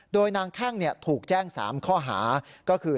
โดยนางแข้งถูกแจ้ง๓ข้อหาก็คือ